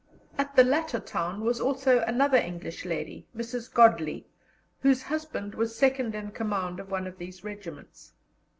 At the latter town was also another English lady, Mrs. Godley, whose husband was second in command of one of these regiments.